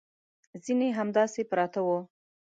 ځینې همداسې پراته وو.